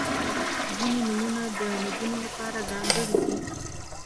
• ځینې نومونه د نجونو لپاره ځانګړي دي.